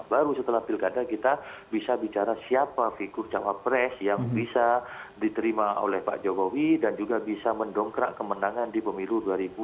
baru setelah pilkada kita bisa bicara siapa figur cawapres yang bisa diterima oleh pak jokowi dan juga bisa mendongkrak kemenangan di pemilu dua ribu dua puluh